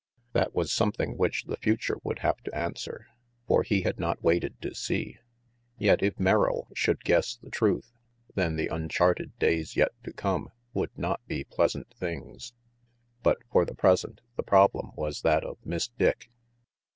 That was something which the future would have to answer; for he had not waited to see. Yet if Merrill should guess the truth, then the uncharted days yet to come would not be pleasant things. But for the present the problem was that of Miss Dick.